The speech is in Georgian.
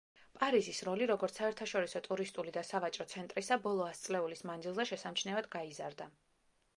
პარიზის როლი, როგორც საერთაშორისო ტურისტული და სავაჭრო ცენტრისა, ბოლო ასწლეულის მანძილზე შესამჩნევად გაიზარდა.